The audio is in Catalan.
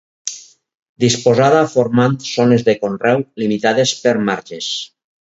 Disposada formant zones de conreu limitades per marges.